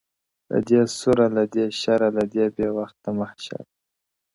• له دې سوره له دې شره له دې بې وخته محشره..